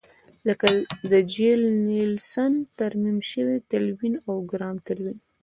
لکه د ژیل نیلسن ترمیم شوی تلوین او ګرام تلوین.